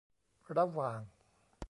ระหว่าง